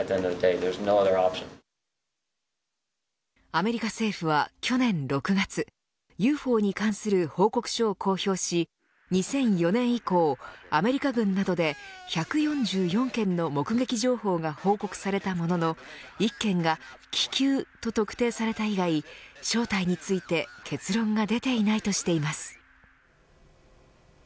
アメリカ政府は、去年６月ＵＦＯに関する報告書を公表し２００４年以降アメリカ軍などで１４４件の目撃情報が報告されたものの１件が気球と特定された以外正体について結論が出ていないとしています。